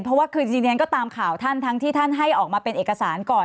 เพราะว่าคือจริงฉันก็ตามข่าวท่านทั้งที่ท่านให้ออกมาเป็นเอกสารก่อน